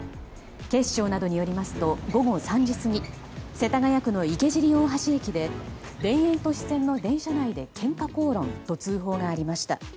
警視庁などによりますと午後３時過ぎ世田谷区の池尻大橋駅で田園都市線の電車内でけんか口論と通報がありました。